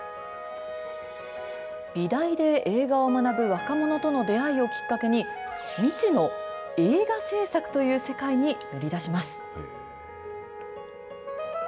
美大で映画を学ぶ若者との出会いをきっかけに未知の映画制作という世界に乗り出します。